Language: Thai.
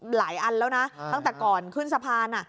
หลายอันแล้วนะตั้งแต่ก่อนขึ้นสะพาน